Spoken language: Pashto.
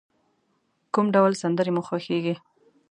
کوم ډول سندری مو خوښیږی؟